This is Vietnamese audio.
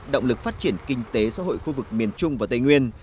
động lực phát triển kinh tế xã hội khu vực miền trung và tây nguyên